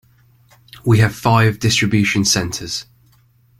We have five distribution centres.